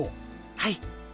はい。